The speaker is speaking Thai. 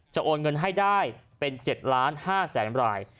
จะโอนเงินให้ได้เป็น๗๕๐๐๐๐๐บาท